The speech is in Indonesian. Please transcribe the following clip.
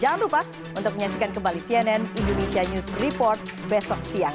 jangan lupa untuk menyaksikan kembali cnn indonesia news report besok siang